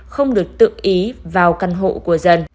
không được tự ý vào căn hộ của dân